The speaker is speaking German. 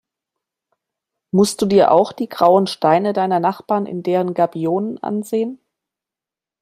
Musst du dir auch die grauen Steine deiner Nachbarn in deren Gabionen ansehen?